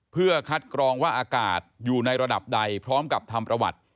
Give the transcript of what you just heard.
เพื่อคัดกรองว่าอากาศอยู่ในระดับใดพร้อมกับทำประวัติ